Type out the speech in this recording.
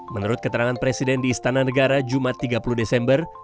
menurut keterangan presiden di istana negara jumat tiga puluh desember